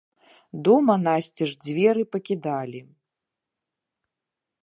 Дома насцеж дзверы пакідалі.